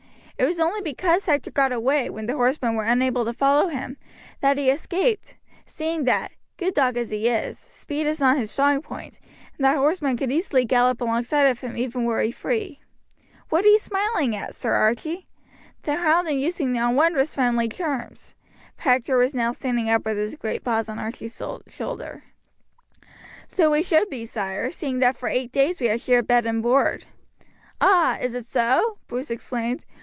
It was only because Hector got away, when the horsemen were unable to follow him, that he escaped, seeing that, good dog as he is, speed is not his strong point, and that horsemen could easily gallop alongside of him even were he free. What are you smiling at, Sir Archie? The hound and you seem on wondrous friendly terms;" for Hector was now standing up with his great paws on Archie's shoulder. "So we should be, sire, seeing that for eight days we have shared bed and board." "Ah! is it so?" Bruce exclaimed.